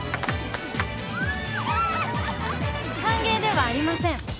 歓迎ではありません。